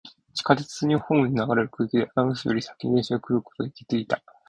地下鉄のホームに流れる空気で、アナウンスより先に列車が来ることに気がついた。